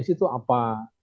di situ apa